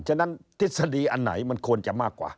ฉะนั้นทฤษฎีอันไหนมันควรจะมากกว่า